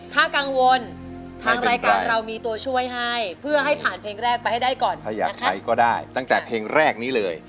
ถ้าอยากใช้ก็ได้ตั้งแต่เพลงแรกนี้เลย